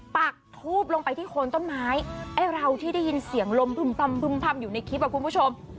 ปักทูบลงไปที่โคนต้นไม้ไอ้เราที่ได้ยินเสียงลมพึ่มพึ่มพำอยู่ในคลิปอ่ะคุณผู้ชม